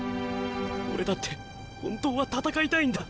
俺だって本当は戦いたいんだ。